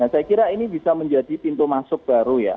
saya kira ini bisa menjadi pintu masuk baru ya